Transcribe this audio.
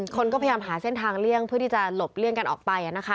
คนก็พยายามหาเส้นทางเลี่ยงเพื่อที่จะหลบเลี่ยงกันออกไป